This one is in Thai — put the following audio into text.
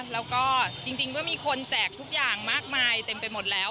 แล้วก็จริงเมื่อมีคนแจกทุกอย่างมากมายเต็มไปหมดแล้ว